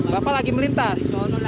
bapak lagi melintas